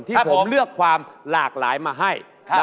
ที่ผมเลือกความหลากหลายมาให้